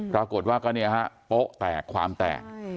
ปรากฏว่าก็เนี่ยฮะโป๊ะแตกความแตก